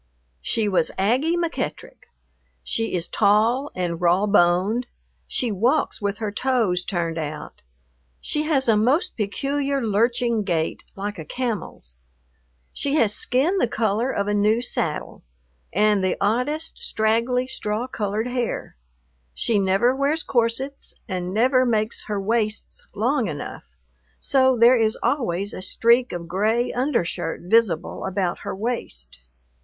She was Aggie McEttrick. She is tall and raw boned, she walks with her toes turned out, she has a most peculiar lurching gait like a camel's. She has skin the color of a new saddle, and the oddest straggly straw colored hair. She never wears corsets and never makes her waists long enough, so there is always a streak of gray undershirt visible about her waist.